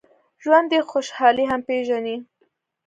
ژوندي خوشحالي هم پېژني